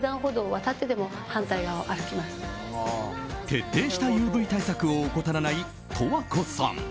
徹底したＵＶ対策を怠らない十和子さん。